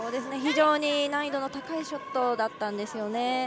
非常に難易度の高いショットだったんですよね。